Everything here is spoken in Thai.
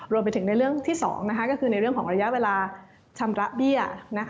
รวมไปถึงในเรื่องที่๒ก็คือในเรื่องของระยะเวลาชำระเบี้ย